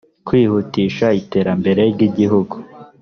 kwihutisha iterambere ry igihugu